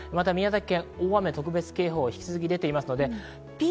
宮崎県には大雨特別警報が引き続き出ています。